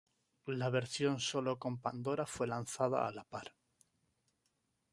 La versión solo con Pandora fue lanzada a la par.